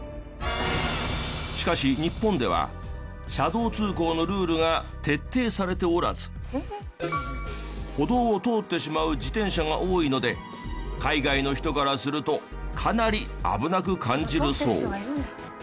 しかし日本では車道通行のルールが徹底されておらず歩道を通ってしまう自転車が多いので海外の人からするとかなり危なく感じるそう。